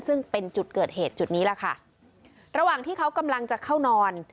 ซึ่งเป็นจุดเกิดเหตุจุดนี้แหละค่ะระหว่างที่เขากำลังจะเข้านอน